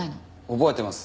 覚えてます。